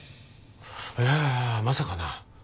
いやいやまさかな。